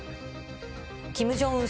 キム・ジョンウン